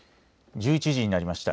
１１時になりました。